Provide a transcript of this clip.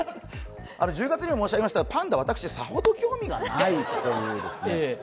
１０月に申し上げましたが、パンダ私、さほど興味はないので。